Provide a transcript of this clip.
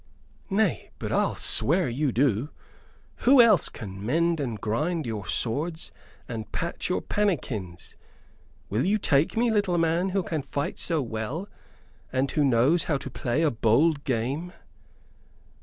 Nay; but I'll swear you do who else can mend and grind your swords and patch your pannikins? Will you take me, little man, who can fight so well, and who knows how to play a bold game?"